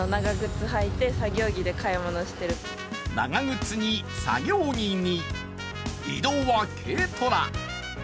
長靴に作業着に、移動は軽トラ。